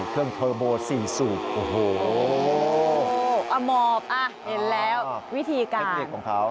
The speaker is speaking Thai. เครื่องเทอร์โบ๔สูบโอ้โหอำมอบเห็นแล้ววิธีการ